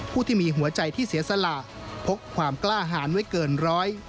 ผู้ที่มีหัวใจที่เสียสละพกความกล้าหารไว้เกินร้อย